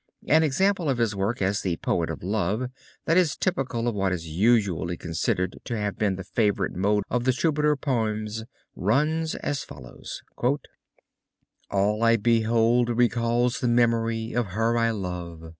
An example of his work as the Poet of Love, that is typical of what is usually considered to have been the favorite mode of the Troubadour poets runs as follows: All I behold recalls the memory Of her I love.